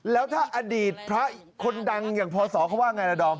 แล้วถ้าอดีตพระคนดังอย่างพศเขาว่าไงล่ะดอม